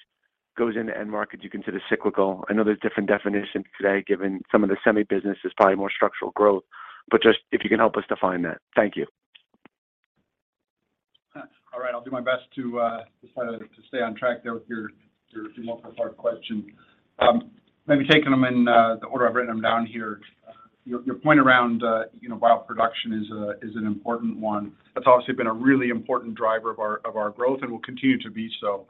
goes into end markets you consider cyclical? I know there's different definitions today, given some of the semi business is probably more structural growth, but just if you can help us define that. Thank you. All right. I'll do my best to stay on track there with your multi-part question. Maybe taking them in the order I've written them down here. Your point around you know bioproduction is an important one. That's obviously been a really important driver of our growth and will continue to be so.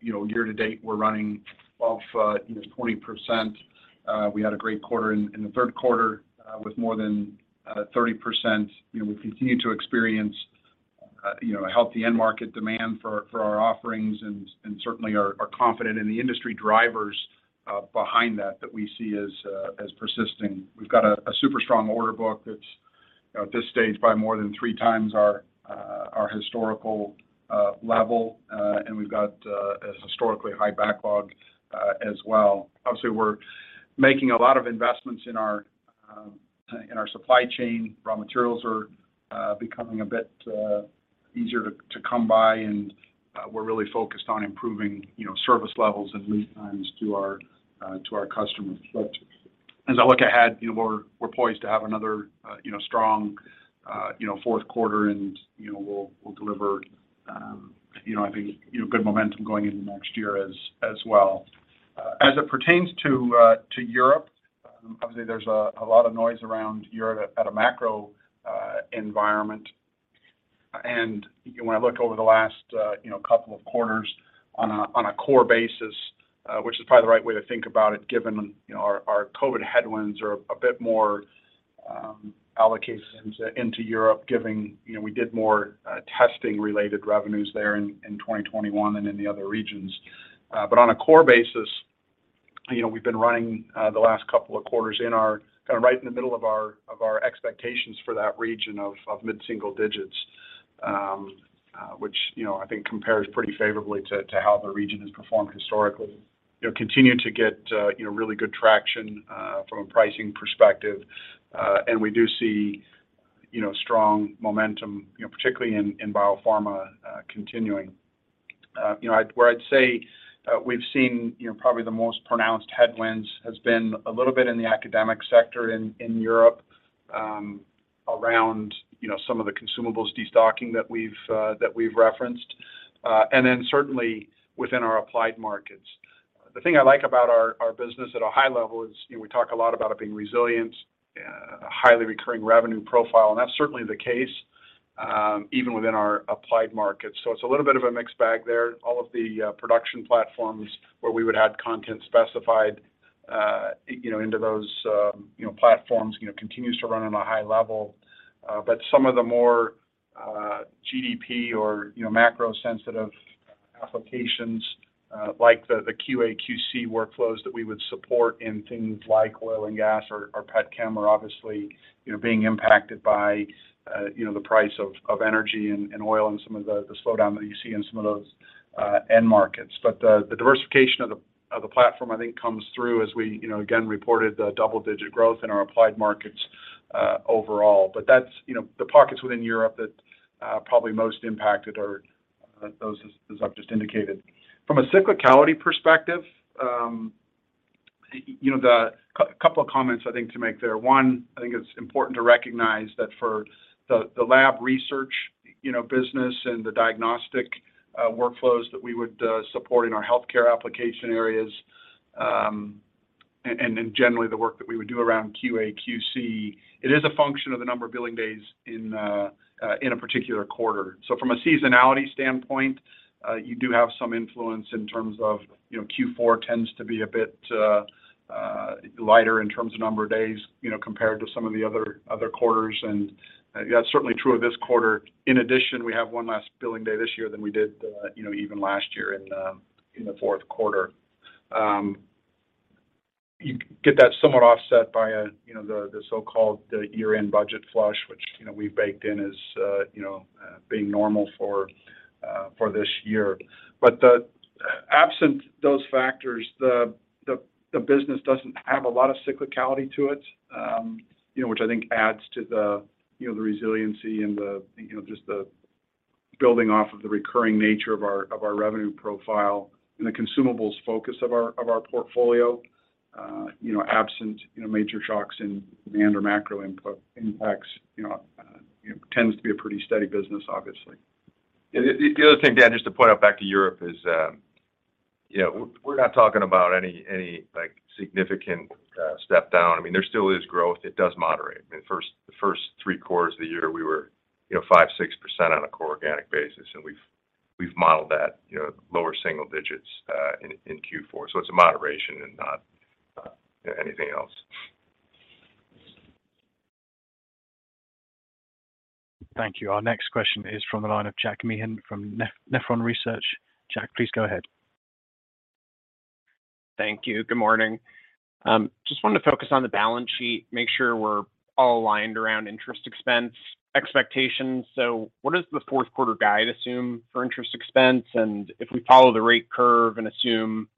You know year to date we're running off you know 20%. We had a great quarter in the third quarter with more than 30%. You know we continue to experience you know a healthy end market demand for our offerings and certainly are confident in the industry drivers behind that, that we see as persisting. We've got a super strong order book that's at this stage by more than three times our historical level, and we've got a historically high backlog as well. Obviously, we're making a lot of investments in our supply chain. Raw materials are becoming a bit easier to come by, and we're really focused on improving, you know, service levels and lead times to our customers. As I look ahead, you know, we're poised to have another strong fourth quarter and, you know, we'll deliver good momentum going into next year as well. As it pertains to Europe, obviously there's a lot of noise around Europe at a macro environment. When I look over the last, you know, couple of quarters on a core basis, which is probably the right way to think about it given, you know, our COVID headwinds are a bit more allocated into Europe, given you know we did more testing related revenues there in 2021 than any other regions. But on a core basis, you know, we've been running the last couple of quarters kind of right in the middle of our expectations for that region of mid-single digits. Which, you know, I think compares pretty favorably to how the region has performed historically. You know, continue to get you know really good traction from a pricing perspective. We do see, you know, strong momentum, you know, particularly in biopharma, continuing. Where I'd say we've seen, you know, probably the most pronounced headwinds has been a little bit in the academic sector in Europe, around some of the consumables destocking that we've referenced, and then certainly within our applied markets. The thing I like about our business at a high level is, you know, we talk a lot about it being resilient, a highly recurring revenue profile, and that's certainly the case, even within our applied markets. It's a little bit of a mixed bag there. All of the production platforms where we would add content specified into those platforms continues to run on a high level. Some of the more GDP or, you know, macro sensitive applications like the QA/QC workflows that we would support in things like oil and gas or pet chem are obviously, you know, being impacted by, you know, the price of energy and oil and some of the slowdown that you see in some of those end markets. The diversification of the platform, I think comes through as we, you know, again, reported the double-digit growth in our applied markets overall. That's, you know, the pockets within Europe that probably most impacted are those as I've just indicated. From a cyclicality perspective, you know, couple of comments I think to make there. One, I think it's important to recognize that for the lab research, you know, business and the diagnostic workflows that we would support in our healthcare application areas, and generally the work that we would do around QA/QC, it is a function of the number of billing days in a particular quarter. From a seasonality standpoint, you do have some influence in terms of, you know, Q4 tends to be a bit lighter in terms of number of days, you know, compared to some of the other quarters. That's certainly true of this quarter. In addition, we have one less billing day this year than we did, you know, even last year in the fourth quarter. You get that somewhat offset by, you know, the so-called year-end budget flush, which, you know, we've baked in as, you know, being normal for this year. Absent those factors, the business doesn't have a lot of cyclicality to it, you know, which I think adds to the resiliency and, you know, just the building off of the recurring nature of our revenue profile and the consumables focus of our portfolio. You know, absent major shocks in demand or macro input impacts, you know, tends to be a pretty steady business, obviously. The other thing, Dan, just to point out back to Europe is, you know, we're not talking about any, like, significant step down. I mean, there still is growth. It does moderate. I mean, the first three quarters of the year, we were, you know, 5%-6% on a core organic basis, and we've modeled that, you know, lower single digits in Q4. It's a moderation and not anything else. Thank you. Our next question is from the line of Jack Meehan from Nephron Research. Jack, please go ahead. Thank you. Good morning. Just wanted to focus on the balance sheet, make sure we're all aligned around interest expense expectations. What does the fourth quarter guide assume for interest expense? If we follow the rate curve and assume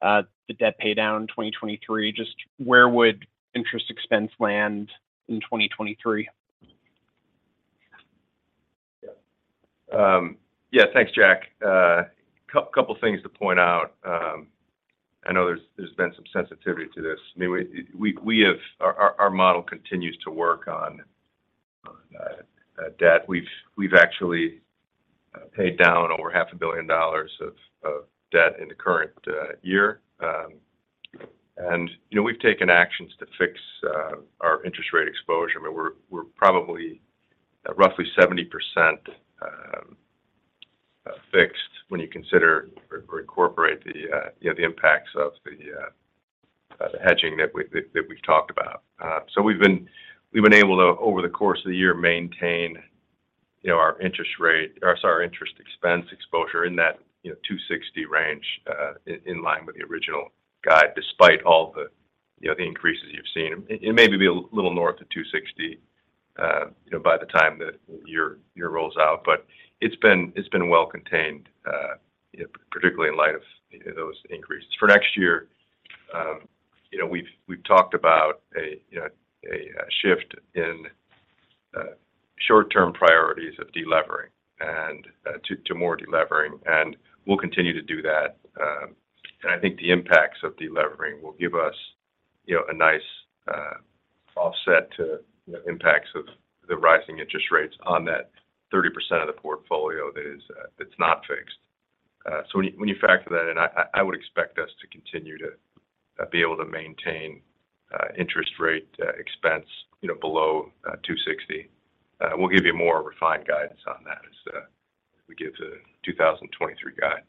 the debt paydown in 2023, just where would interest expense land in 2023? Yeah, thanks, Jack. Couple things to point out. I know there's been some sensitivity to this. I mean, our model continues to work on debt. We've actually paid down over $500 million of debt in the current year. You know, we've taken actions to fix our interest rate exposure. I mean, we're probably at roughly 70% fixed when you consider or incorporate you know, the impacts of the hedging that we've talked about. We've been able to, over the course of the year, maintain, you know, our interest expense exposure in that, you know, $260 range, in line with the original guide, despite all the, you know, the increases you've seen. It may be a little north of $260, you know, by the time the year rolls out, but it's been well contained, particularly in light of those increases. For next year, you know, we've talked about a shift in short-term priorities of delevering and to more delevering, and we'll continue to do that. I think the impacts of delevering will give us a nice offset to impacts of the rising interest rates on that 30% of the portfolio that's not fixed. When you factor that in, I would expect us to continue to be able to maintain interest rate expense below $260. We'll give you more refined guidance on that as we give the 2023 guidance.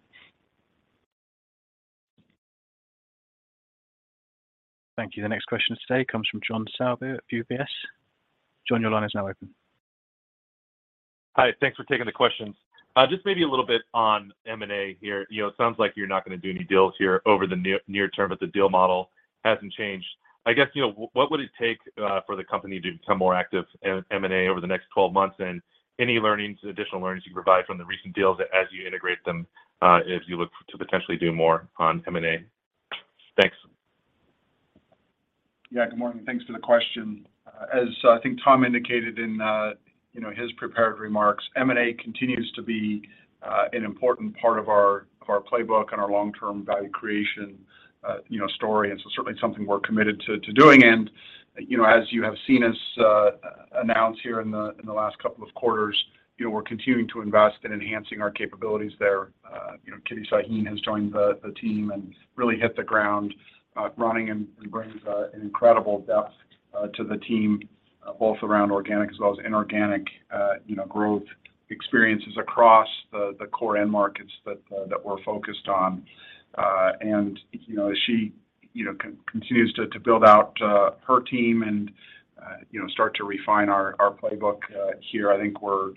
Thank you. The next question today comes from John Sourbeer at UBS. John, your line is now open. Hi. Thanks for taking the questions. Just maybe a little bit on M&A here. You know, it sounds like you're not gonna do any deals here over the near term, but the deal model hasn't changed. I guess, you know, what would it take for the company to become more active in M&A over the next 12 months? Any learnings, additional learnings you can provide from the recent deals as you integrate them, as you look to potentially do more on M&A? Thanks. Yeah. Good morning. Thanks for the question. As I think Tom indicated in, you know, his prepared remarks, M&A continues to be an important part of our playbook and our long-term value creation, you know, story. Certainly something we're committed to doing. You know, as you have seen us announce here in the last couple of quarters, you know, we're continuing to invest in enhancing our capabilities there. You know, Kitty Sahin has joined the team and really hit the ground running and brings an incredible depth to the team both around organic as well as inorganic, you know, growth experiences across the core end markets that we're focused on. She continues to build out her team and start to refine our playbook here. I think we're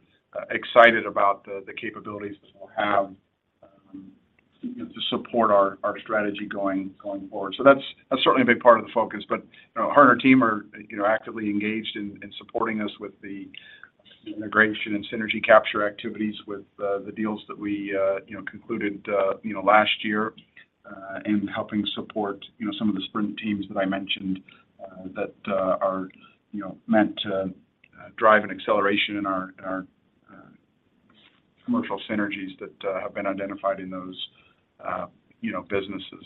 excited about the capabilities that we'll have to support our strategy going forward. That's certainly a big part of the focus. Her and her team are actively engaged in supporting us with the integration and synergy capture activities with the deals that we concluded last year in helping support some of the sprint teams that I mentioned that are meant to drive an acceleration in our commercial synergies that have been identified in those businesses.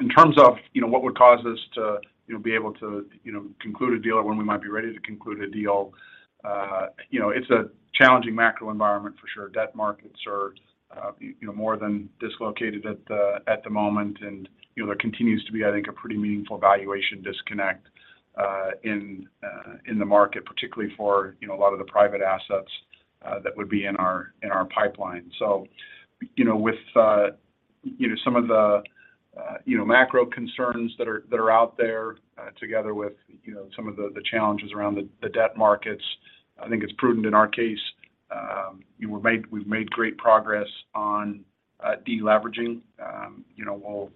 In terms of, you know, what would cause us to, you know, be able to, you know, conclude a deal or when we might be ready to conclude a deal, you know, it's a challenging macro environment for sure. Debt markets are, you know, more than dislocated at the moment. You know, there continues to be, I think, a pretty meaningful valuation disconnect in the market, particularly for, you know, a lot of the private assets that would be in our pipeline. You know, with, you know, some of the, you know, macro concerns that are out there, together with, you know, some of the challenges around the debt markets, I think it's prudent in our case. You know, we've made great progress on deleveraging. You know,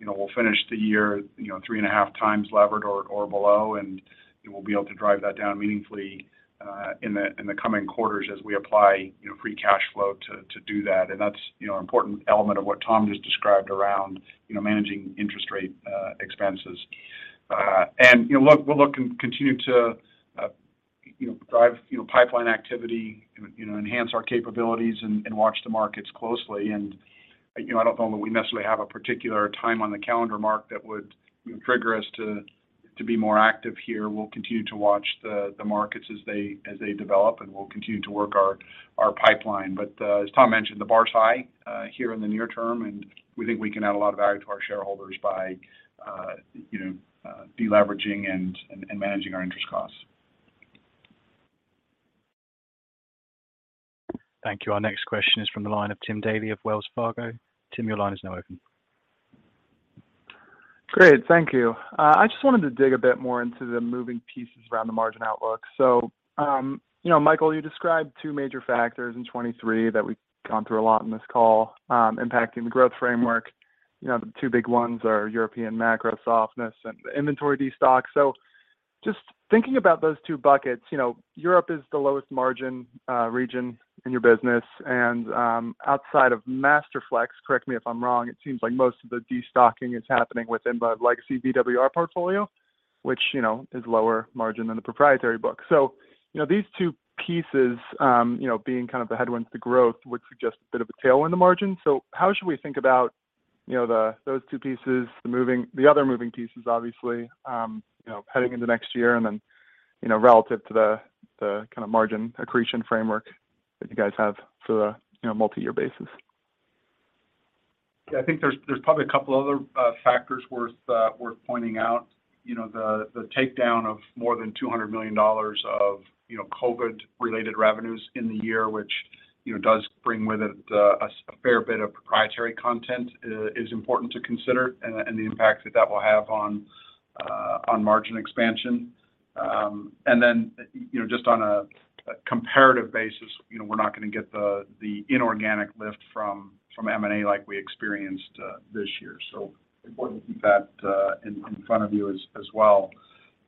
we'll finish the year 3.5x levered or below, and we'll be able to drive that down meaningfully in the coming quarters as we apply free cash flow to do that. That's an important element of what Tom just described around managing interest rate expenses. You know, look, we'll continue to drive pipeline activity and enhance our capabilities and watch the markets closely. You know, I don't know that we necessarily have a particular time on the calendar mark that would trigger us to be more active here. We'll continue to watch the markets as they develop, and we'll continue to work our pipeline. As Tom mentioned, the bar is high here in the near term, and we think we can add a lot of value to our shareholders by you know deleveraging and managing our interest costs. Thank you. Our next question is from the line of Tim Daley of Wells Fargo. Tim, your line is now open. Great. Thank you. I just wanted to dig a bit more into the moving pieces around the margin outlook. You know, Michael, you described two major factors in 2023 that we've gone through a lot in this call, impacting the growth framework. You know, the two big ones are European macro softness and inventory destock. Just thinking about those two buckets, you know, Europe is the lowest margin region in your business. Outside of Masterflex, correct me if I'm wrong, it seems like most of the destocking is happening within the legacy VWR portfolio, which, you know, is lower margin than the proprietary book. You know, these two pieces, you know, being kind of the headwinds to growth would suggest a bit of a tailwind to margin. How should we think about, you know, those two pieces, the other moving pieces, obviously, you know, heading into next year and then, you know, relative to the kind of margin accretion framework that you guys have for a, you know, multi-year basis? Yeah. I think there's probably a couple other factors worth pointing out. You know, the takedown of more than $200 million of COVID-related revenues in the year, which does bring with it a fair bit of proprietary content, is important to consider and the impact that that will have on margin expansion. You know, just on a comparative basis, you know, we're not gonna get the inorganic lift from M&A like we experienced this year. Important to keep that in front of you as well.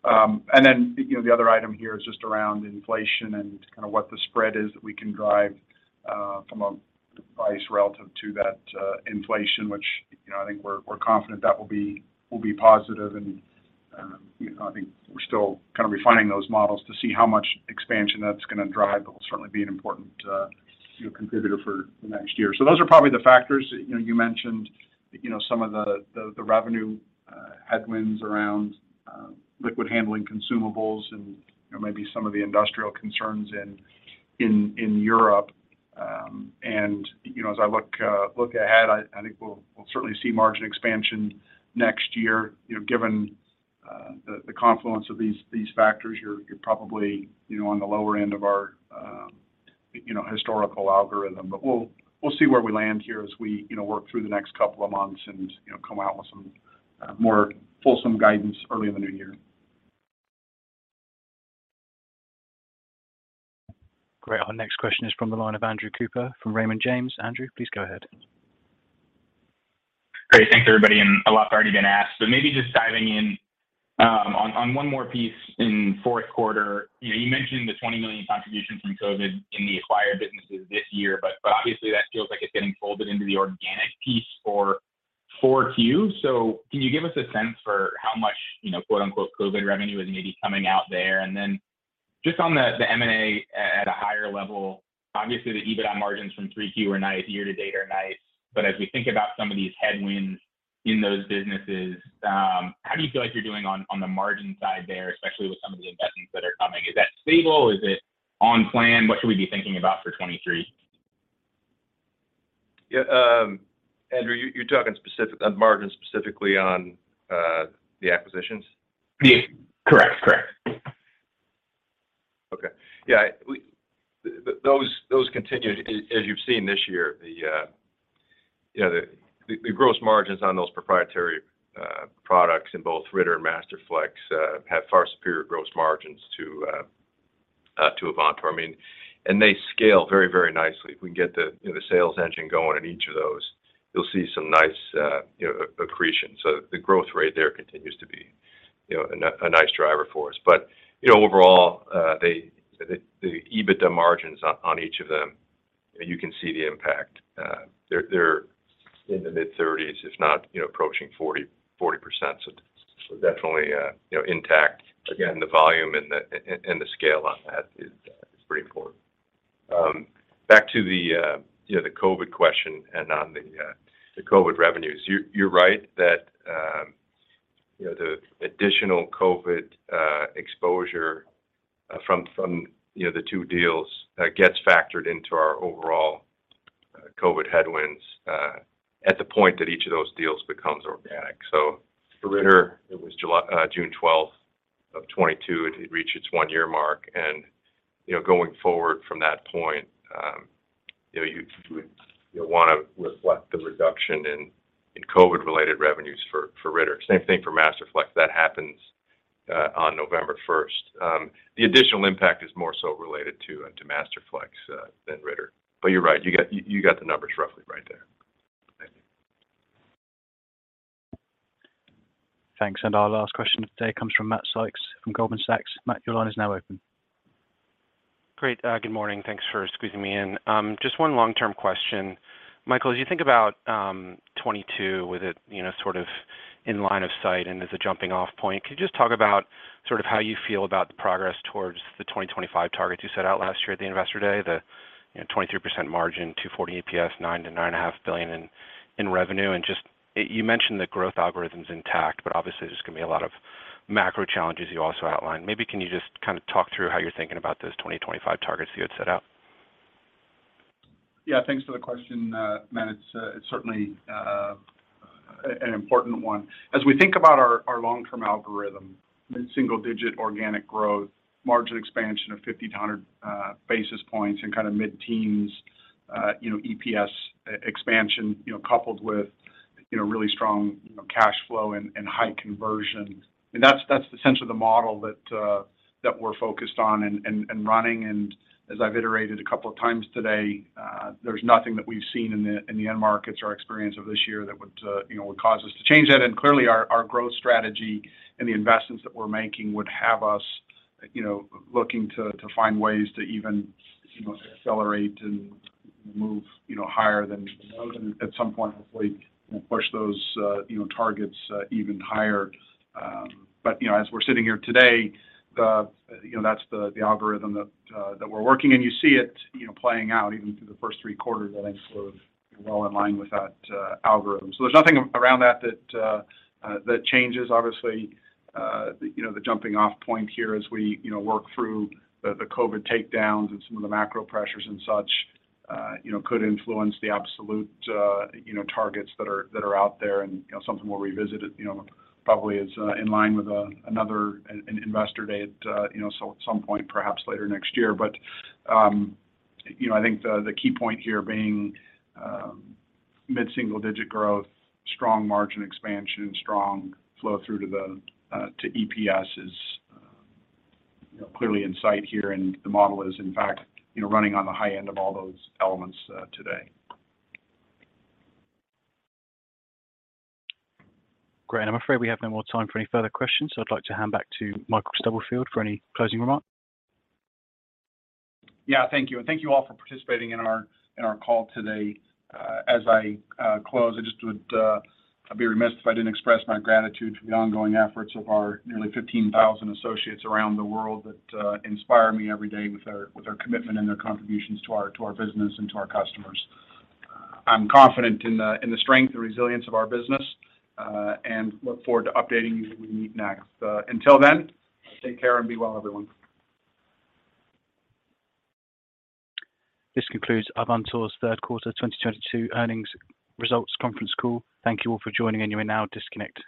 You know, the other item here is just around inflation and kind of what the spread is that we can drive from a device relative to that inflation, which you know, I think we're confident that will be positive and you know, I think we're still kind of refining those models to see how much expansion that's gonna drive. It'll certainly be an important, you know, contributor for the next year. Those are probably the factors. You know, you mentioned you know, some of the revenue headwinds around liquid handling consumables and you know, maybe some of the industrial concerns in Europe. You know, as I look ahead, I think we'll certainly see margin expansion next year. You know, given the confluence of these factors, you're probably, you know, on the lower end of our, you know, historical algorithm. We'll see where we land here as we, you know, work through the next couple of months and, you know, come out with some more fulsome guidance early in the new year. Great. Our next question is from the line of Andrew Cooper from Raymond James. Andrew, please go ahead. Great. Thanks, everybody, and a lot's already been asked. Maybe just diving in on one more piece in fourth quarter. You know, you mentioned the $20 million contribution from COVID in the acquired businesses this year, but obviously that feels like it's getting folded into the organic piece for 4Q. So can you give us a sense for how much, you know, quote unquote "COVID revenue" is maybe coming out there? And then just on the M&A at a higher level, obviously the EBITDA margins from 3Q are nice, year to date are nice, but as we think about some of these headwinds in those businesses, how do you feel like you're doing on the margin side there, especially with some of the investments that are coming? Is that stable? Is it on plan? What should we be thinking about for 2023? Yeah. Andrew, you're talking margins specifically on the acquisitions? Yes. Correct. Those continue as you've seen this year. The gross margins on those proprietary products in both Ritter and Masterflex have far superior gross margins to Avantor. I mean, they scale very, very nicely. If we can get the sales engine going in each of those, you'll see some nice accretion. The growth rate there continues to be a nice driver for us. Overall, the EBITDA margins on each of them, you can see the impact. They're in the mid-30s, if not approaching 40%. Definitely intact. Again, the volume and the scale on that is pretty important. Back to the, you know, the COVID question and on the the COVID revenues. You're right that, you know, the additional COVID exposure from, you know, the two deals gets factored into our overall COVID headwinds at the point that each of those deals becomes organic. For Ritter, it was June 12th of 2022, it reached its one-year mark. Going forward from that point, you know, you would, you know, wanna reflect the reduction in COVID-related revenues for Ritter. Same thing for Masterflex. That happens on November 1st. The additional impact is more so related to Masterflex than Ritter. You're right, you got the numbers roughly right there. Thank you. Thanks. Our last question of the day comes from Matt Sykes from Goldman Sachs. Matt, your line is now open. Great. Good morning. Thanks for squeezing me in. Just one long-term question. Michael, as you think about 2022 with it, you know, sort of in line of sight and as a jumping off point, could you just talk about sort of how you feel about the progress towards the 2025 targets you set out last year at the Investor Day? You know, 23% margin, $2.40 EPS, $9 billion-$9.5 billion in revenue. Just, you mentioned the growth algorithm's intact, but obviously there's gonna be a lot of macro challenges you also outlined. Maybe can you just kind of talk through how you're thinking about those 2025 targets you had set out? Yeah, thanks for the question, Matt. It's certainly an important one. As we think about our long-term algorithm, mid-single-digit organic growth, margin expansion of 50-100 basis points, and kind of mid-teens EPS expansion, you know, coupled with, you know, really strong, you know, cash flow and high conversion, I mean, that's the sense of the model that we're focused on and running. As I've iterated a couple of times today, there's nothing that we've seen in the end markets or experience of this year that would cause us to change that. Clearly our growth strategy and the investments that we're making would have us, you know, looking to find ways to even, you know, accelerate and move, you know, higher than the low end. At some point, hopefully we'll push those, you know, targets even higher. But, you know, as we're sitting here today, that's the algorithm that we're working, and you see it, you know, playing out even through the first three quarters I think sort of, you know, well in line with that algorithm. There's nothing around that that changes. Obviously, you know, the jumping off point here as we, you know, work through the COVID takedowns and some of the macro pressures and such, you know, could influence the absolute, you know, targets that are out there. You know, something we'll revisit it, you know, probably as in line with another investor date, you know, so at some point perhaps later next year. You know, I think the key point here being mid-single digit growth, strong margin expansion, strong flow through to EPS is clearly in sight here, and the model is in fact, you know, running on the high end of all those elements today. Great. I'm afraid we have no more time for any further questions, so I'd like to hand back to Michael Stubblefield for any closing remarks. Yeah. Thank you. Thank you all for participating in our call today. As I close, I'd be remiss if I didn't express my gratitude for the ongoing efforts of our nearly 15,000 associates around the world that inspire me every day with their commitment and their contributions to our business and to our customers. I'm confident in the strength and resilience of our business and look forward to updating you when we meet next. Until then, take care and be well, everyone. This concludes Avantor's third quarter 2022 earnings results conference call. Thank you all for joining, and you may now disconnect your lines.